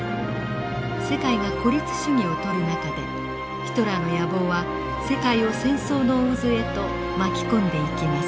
世界が孤立主義をとる中でヒトラーの野望は世界を戦争の渦へと巻き込んでいきます。